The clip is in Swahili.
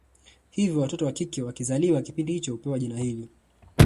Hivyo watoto wakike wakizaliwa kipindi hicho hupewa jina hili